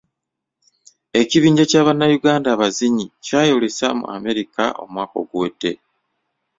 Ekibinja kya bannayuganda abazinyi kyayolesa mu America omwaka oguwedde.